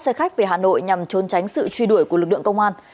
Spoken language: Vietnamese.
xe khách về hà nội nhằm trốn tránh sự truy đuổi của lực lượng công an